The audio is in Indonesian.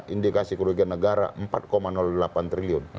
indikasi kerugian negara empat delapan triliun